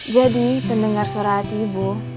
jadi mendengar suara hati ibu